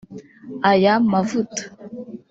Aya mavuta